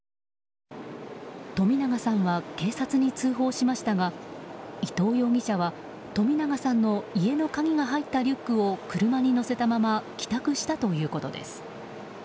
冨永さんは警察に通報しましたが伊藤容疑者は冨永さんの家の鍵が入ったリュックを車に乗せたまま帰宅したということです。